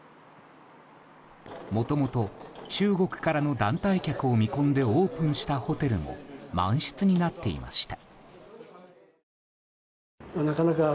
もともと中国からの団体客を見込んでオープンしたホテルも満室になっていました。